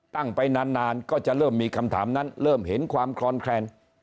ตั้งไปนานก็จะเริ่มมีคำถามนั้นเริ่มเห็นความคลอนแคลน